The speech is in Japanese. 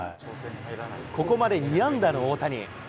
ここまで２安打の大谷。